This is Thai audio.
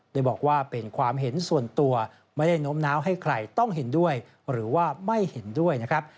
โดยบอกว่าเป็นความเห็นส่วนตัวไม่ได้โน้มน้าวให้ใครต้องเห็นด้วยหรือว่าไม่เห็นด้วยนะครับ